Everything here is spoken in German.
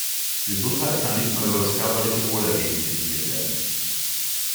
Gesundheit kann nicht nur über das körperliche Wohlergehen definiert werden.